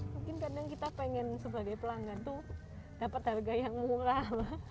mungkin kadang kita pengen sebagai pelanggan tuh dapat harga yang murah